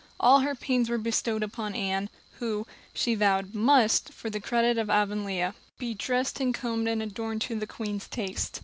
All her pains were bestowed upon Anne, who, she vowed, must, for the credit of Avonlea, be dressed and combed and adorned to the Queen's taste.